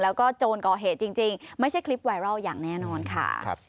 แล้วก็โจรก่อเหตุจริงไม่ใช่คลิปไวรัลอย่างแน่นอนค่ะ